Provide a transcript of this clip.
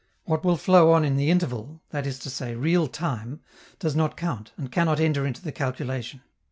What will flow on in the interval that is to say, real time does not count, and cannot enter into the calculation.